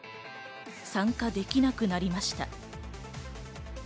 参加できなくなりました。